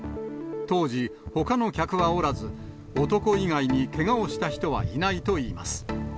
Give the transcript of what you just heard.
当時、ほかの客はおらず、男以外にけがをした人はいないといいます。